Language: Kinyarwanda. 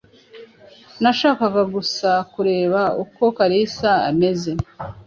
Nashakaga gusa kureba uko Kalisa ameze.